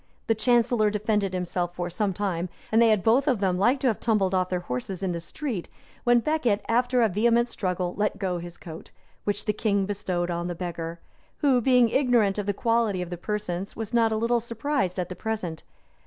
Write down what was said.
The chancellor defended himself for some time; and they had both of them like to have tumbled off their horses in the street, when Becket, after a vehement struggle, let go his coat; which the king bestowed on the beggar, who, being ignorant of the quality of the persons, was not a little surprised at the present.